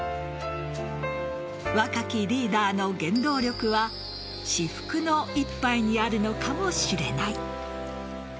若きリーダーの原動力は至福の一杯にあるのかもしれない。